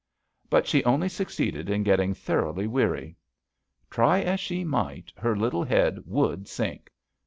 But she only succeeded in getting thor oughly weary. Try as she might, her little head would sink.